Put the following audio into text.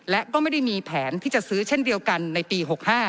และก็ไม่ได้มีแผนที่จะซื้อเช่นเดียวกันในปี๖๕